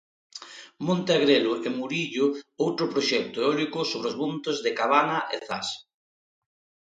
Monte Agrelo e Muriño: outro proxecto eólico sobre os montes de Cabana e Zas.